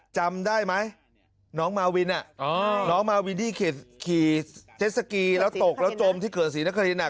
จำได้ไหมน้องมาวินน้องมาวินที่ขี่เจสสกีแล้วตกแล้วจมที่เกิดศรีนคริน